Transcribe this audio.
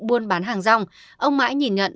buôn bán hàng rong ông mãi nhìn nhận